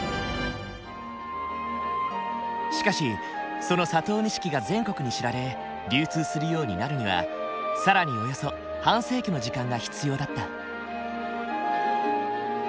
しかしその佐藤錦が全国に知られ流通するようになるには更におよそ半世紀の時間が必要だった。